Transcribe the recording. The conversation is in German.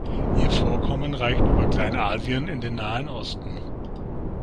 Ihr Vorkommen reicht über Kleinasien in den Nahen Osten.